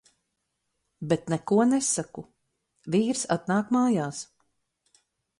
Bet neko nesaku. Vīrs atnāk mājās.